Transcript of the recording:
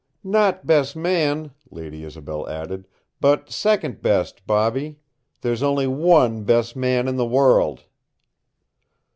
"Not best man," Lady Isobel added, "but second best, Bobby. There's only one best man in the world!"